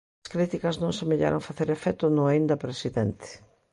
As críticas non semellaron facer efecto no aínda presidente.